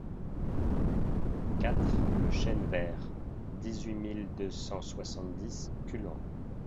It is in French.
quatre le Chêne Vert, dix-huit mille deux cent soixante-dix Culan